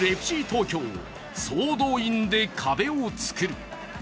ＦＣ東京、総動員で壁を作る。